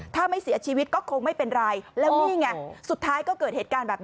ถ้าไม่เสียชีวิตก็คงไม่เป็นไรแล้วนี่ไงสุดท้ายก็เกิดเหตุการณ์แบบนี้